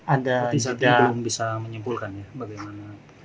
anda belum bisa menyimpulkan ya bagaimana